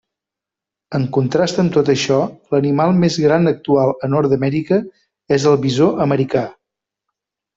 En contrast amb tot això, l'animal més gran actual a Nord-amèrica és el bisó americà.